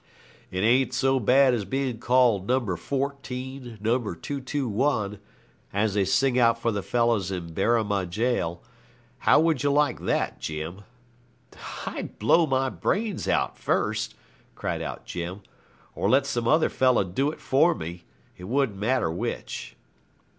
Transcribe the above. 'It isn't so bad as being called No. 14, No. 221, as they sing out for the fellows in Berrima Gaol. How would you like that, Jim?' 'I'd blow my brains out first,' cried out Jim, 'or let some other fellow do it for me. It wouldn't matter which.'